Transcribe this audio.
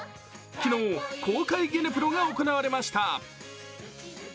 昨日、公開ゲネプロが行われました。